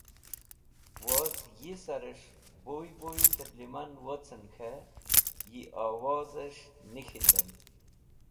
Woz yisarẽs̃h buy buy tẽrlẽman wocẽn k̃hẽ yi owozẽs̃h nik̃hindẽn.